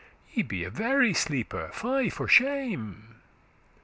Ye be a very sleeper, fy for shame!"